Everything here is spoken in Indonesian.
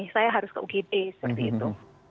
saya harus ke ugd seperti itu